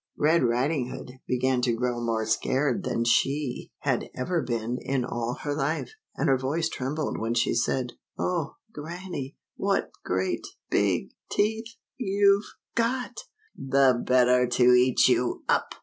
Red Riding Hood began to grow more scared than she 52 LITTLE RED RIDING HOOD . had ever been in all her life, and her voice trembled when she said, — "Oh, Grannie, what great — big — teeth — you've — got!" "The better to eat you up!"